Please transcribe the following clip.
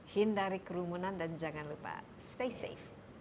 hindari kerumunan dan jangan lupa stay safe